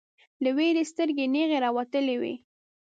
له ویرې یې سترګې نیغې راوتلې وې